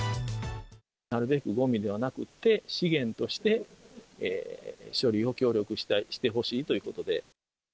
なるべく、ごみではなくて資源として処理を協力してほしいということで。